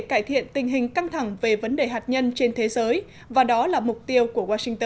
cải thiện tình hình căng thẳng về vấn đề hạt nhân trên thế giới và đó là mục tiêu của washington